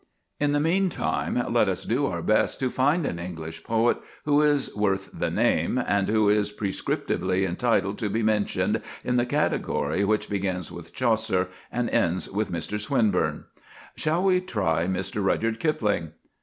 In the meantime let us do our best to find an English poet who is worth the name, and who is prescriptively entitled to be mentioned in the category which begins with Chaucer and ends with Mr. Swinburne. Shall we try Mr. Rudyard Kipling?